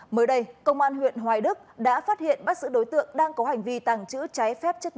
mới đây công an huyện hoài đức đã phát hiện bắt giữ đối tượng đang có hành vi tàng trữ trái